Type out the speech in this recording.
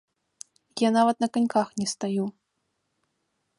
Я нават на каньках не стаю.